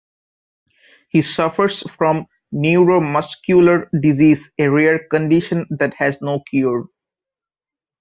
He suffers from Neuromuscular disease, a rare condition that has no cure.